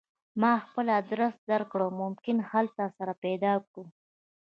ما خپل ادرس درکړ ممکن هلته سره پیدا کړو